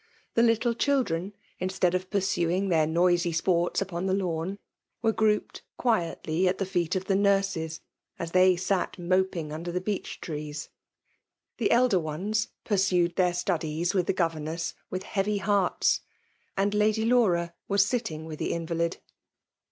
The little children, instead of pisp suing their noisy sporta upon the lawn, were grouped quietly at the feet of the nurses as they sat moping under the beech trees. The elder ones pursued their studies with the governess with heavy hearts ; and Lady Laura waa sitting with the invalid.